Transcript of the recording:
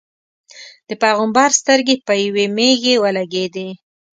د پېغمبر سترګې په یوې مېږې ولګېدې.